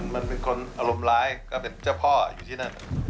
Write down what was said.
มันเป็นคนอารมณ์ร้ายก็เป็นเจ้าพ่ออยู่ที่นั่น